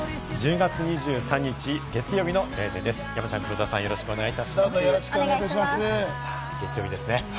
月曜日です。